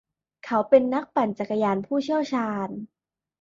เขาเป็นนักปั่นจักรยานผู้เชี่ยวชาญ